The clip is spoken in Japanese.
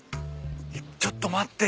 ちょっと待ってよ。